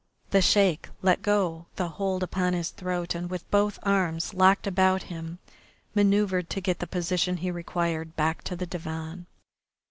The Sheik let go the hold upon his throat and with both arms locked about him manoeuvred to get the position he required, back to the divan.